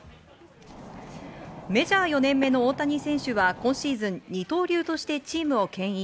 メジャー４年目の大谷選手は今シーズン、二刀流としてチームを牽引。